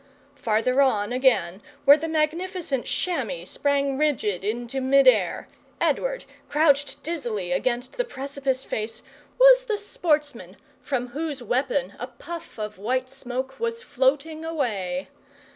Farther on, again, where the magnificent chamois sprang rigid into mid air, Edward, crouched dizzily against the precipice face, was the sportsman from whose weapon a puff of white smoke was floating away.